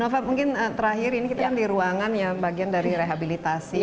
nova mungkin terakhir ini kita kan di ruangan yang bagian dari rehabilitasi